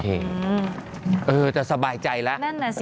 เออจะสบายใจแล้ว